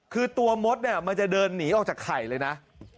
คือตัวมดเนี่ยมันจะเดินหนีออกจากไข่เลยนะ